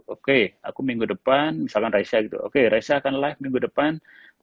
oke aku minggu depan misalkan raisa gitu oke raisa akan live minggu depan